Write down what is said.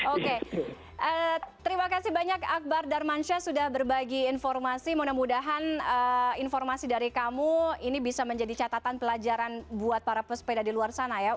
oke terima kasih banyak akbar darmansyah sudah berbagi informasi mudah mudahan informasi dari kamu ini bisa menjadi catatan pelajaran buat para pesepeda di luar sana ya